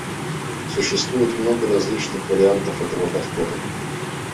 Существует много различных вариантов этого подхода.